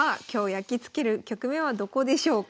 やきつける局面はどこでしょうか？